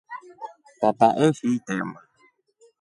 Tata eshi itema.